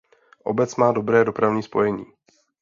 Obec má dobré dopravní spojení.